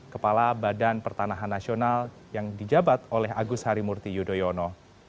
kepala badan pertanahan nasional yang dijabat oleh agus harimurti yudhoyono